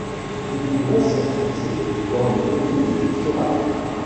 Il pouvait s’enfoncer dans les pays les plus sauvages.